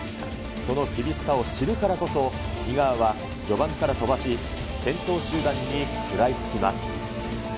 その厳しさを知るからこそ、井川は序盤から飛ばし、先頭集団に食らいつきます。